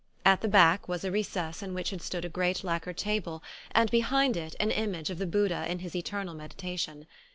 At the back was a recess in which had stood a great lacquer table and behind it an image of the Buddha in his eternal meditation.